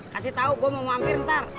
kasih tahu gue mau mampir ntar